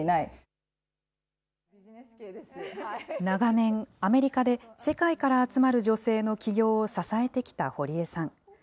長年、アメリカで世界から集まる女性の起業を支えてきた堀江さん。